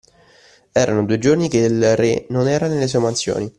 Erano due giorni che il re non era nelle sue mansioni